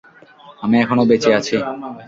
আমি এখনো বেঁচে আছি।